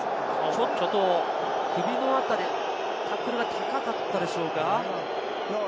ちょっと首の辺り、タックルが高かったでしょうか。